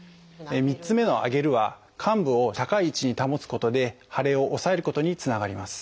３つ目の「上げる」は患部を高い位置に保つことで腫れを抑えることにつながります。